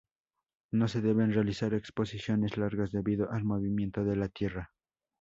No se deben realizar exposiciones largas debido al movimiento de la Tierra.